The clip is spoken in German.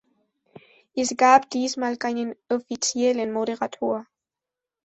Es gab diesmal keinen offiziellen Moderator.